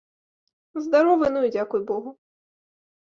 Здаровы, ну, і дзякуй богу!